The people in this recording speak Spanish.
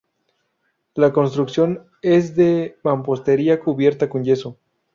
La construcción es de mampostería cubierta con yeso.